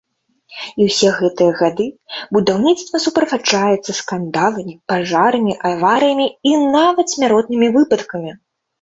І ўсе гэтыя гады будаўніцтва суправаджаецца скандаламі, пажарамі, аварыямі і нават смяротнымі выпадкамі.